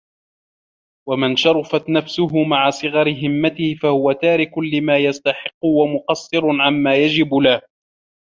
وَمَنْ شَرُفَتْ نَفْسُهُ مَعَ صِغَرِ هِمَّتِهِ فَهُوَ تَارِكٌ لِمَا يَسْتَحِقُّ وَمُقَصِّرٌ عَمَّا يَجِبُ لَهُ